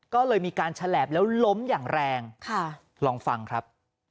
ก็เลยมีการฉลาบแล้วล้มอย่างแรงลองฟังครับ